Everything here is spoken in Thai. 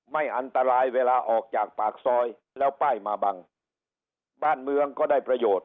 ไม่อันตรายเวลาออกจากปากซอยแล้วป้ายมาบังบ้านเมืองก็ได้ประโยชน์